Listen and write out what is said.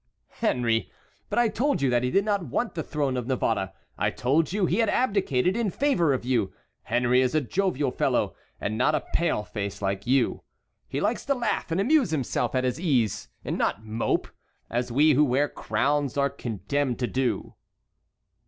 "Henry! but I told you that he did not want the throne of Navarre! I told you he had abdicated in favor of you! Henry is a jovial fellow, and not a pale face like you. He likes to laugh and amuse himself at his ease, and not mope, as we who wear crowns are condemned to do."